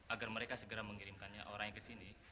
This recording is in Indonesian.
agar mereka segera mengirimkannya orang yang kesini